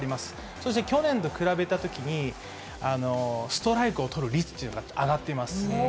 そして去年と比べたときに、ストライクを取る率っていうのが上がっています。